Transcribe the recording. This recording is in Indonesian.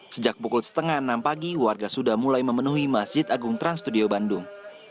sejak pukul setengah enam pagi warga sudah mulai memenuhi masjid agung trans studio bandung